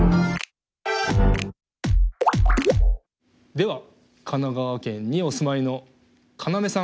では神奈川県にお住まいのカナメさん。